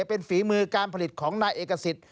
เป็นฝีมือการผลิตของนายเอกสิทธิ